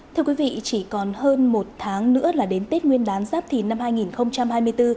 thưa quý vị chỉ còn hơn một tháng nữa là đến tết nguyên đán giáp thìn năm hai nghìn hai mươi bốn